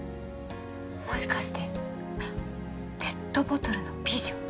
もしかしてペットボトルの美女？